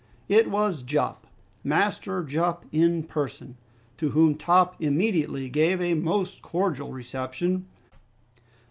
It was Jup, Master Jup in person, to whom Top immediately gave a most cordial reception.